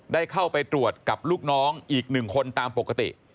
ได้เข้าไปตรวจกับลูกน้องอีก๑คนตามปกติ